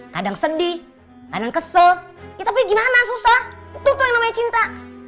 kadang sedih kadang kesel ya tapi gimana susah itu tuh yang namanya cinta